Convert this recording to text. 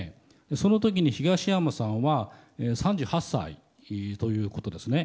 その時に東山さんは３８歳ということですね。